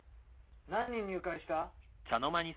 何人入会した？